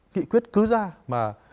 nghị quyết cứ ra mà